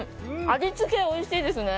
味付け、おいしいですね。